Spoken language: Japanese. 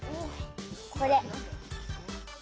これ！